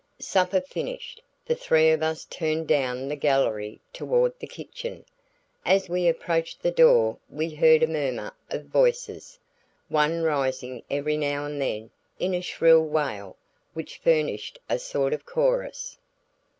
Supper finished, the three of us turned down the gallery toward the kitchen. As we approached the door we heard a murmur of voices, one rising every now and then in a shrill wail which furnished a sort of chorus.